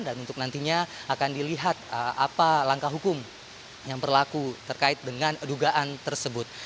dan untuk nantinya akan dilihat apa langkah hukum yang berlaku terkait dengan edugaan tersebut